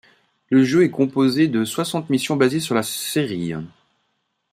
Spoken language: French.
Le jeu est composé de soixante missions basées sur la série.